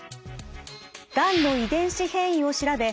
がんの遺伝子変異を調べ